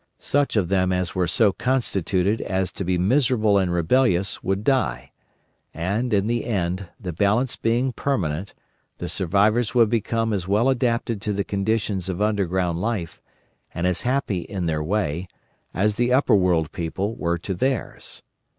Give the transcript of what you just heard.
Such of them as were so constituted as to be miserable and rebellious would die; and, in the end, the balance being permanent, the survivors would become as well adapted to the conditions of underground life, and as happy in their way, as the Overworld people were to theirs.